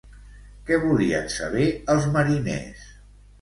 Què volien saber els mariners?